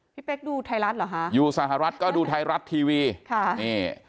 เป๊กดูไทยรัฐเหรอฮะอยู่สหรัฐก็ดูไทยรัฐทีวีค่ะนี่